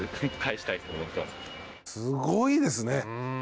すごいですね。